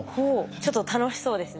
ちょっと楽しそうですね。